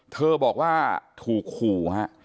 เธอบอกว่าถูกขู่ฮะ